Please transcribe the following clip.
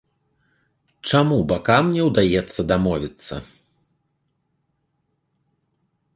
Чаму бакам не ўдаецца дамовіцца?